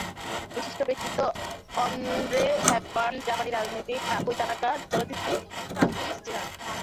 বিশিষ্ট ব্যক্তিত্ব Audrey Hepburn, জাপানি রাজনীতিক কাকুই তানাকা, চিত্রশিল্পী ফ্রাংকুইজ জেরার।